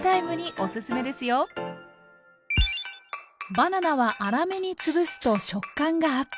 バナナは粗めに潰すと食感がアップ。